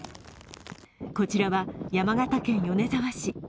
こちらは山形県米沢市。